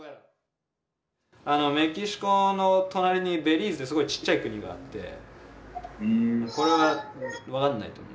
メキシコの隣にベリーズってすごいちっちゃい国があってこれは分かんないと思う。